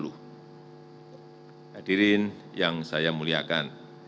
hadirin yang saya muliakan